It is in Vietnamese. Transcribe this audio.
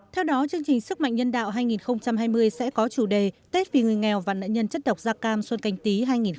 theo đó chương trình sức mạnh nhân đạo hai nghìn hai mươi sẽ có chủ đề tết vì người nghèo và nạn nhân chất độc da cam xuân canh tí hai nghìn hai mươi